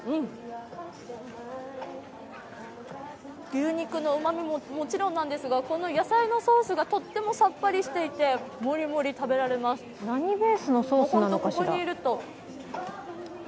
牛肉のうまみももちろんなんですが、この野菜のソースがとってもさっぱりしていて何ベースのソースですか？